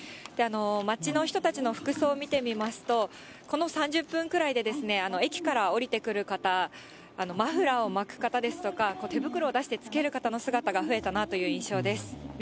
街の人たちの服装見てみますと、この３０分くらいで、駅から降りてくる方、マフラーを巻く方ですとか、手袋を出してつける方の姿が増えたなという印象です。